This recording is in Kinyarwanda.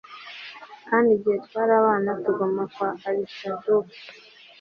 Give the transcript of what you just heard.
Kandi igihe twari abana tuguma kwa archduke